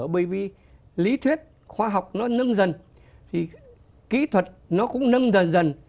bởi vì lý thuyết khoa học nó nâng dần thì kỹ thuật nó cũng nâng dần dần